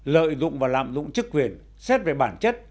lợi dụng và lạm dụng chức quyền xét về bản chất